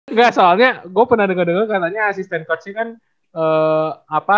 engga soalnya gue pernah denger denger katanya asisten coachnya kan